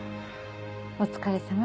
お疲れさま。